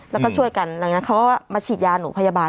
แล้วก็ช่วยกันดังนั้นเขาก็มาฉีดยาหนูพยาบาล